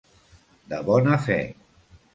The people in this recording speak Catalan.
De bona fe.